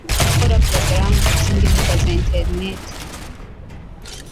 gukora porogaramu ku zindi mbuga za interineti.